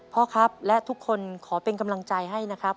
พ่อครับและทุกคนขอเป็นกำลังใจให้นะครับ